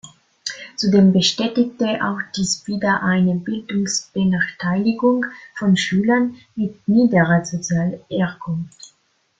Zudem bestätigte auch dies wieder eine Bildungsbenachteiligung von Schülern mit "niederer" sozialer Herkunft.